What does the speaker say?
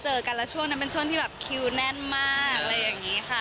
ก็เหมือนแบบได้เจอกันละช่วงนั้นเป็นช่วงที่แบบคิวแน่นมากอะไรอย่างนี้ค่ะ